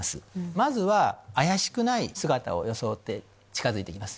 まずは怪しくない姿を装って近づいて来ます。